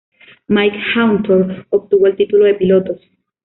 Mike Hawthorn obtuvo el título de pilotos.